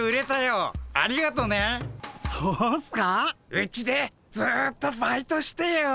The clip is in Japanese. うちでずっとバイトしてよ。